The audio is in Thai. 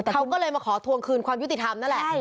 เขาก็เลยมาขอทวงคืนความยุติธรรมนั่นแหละ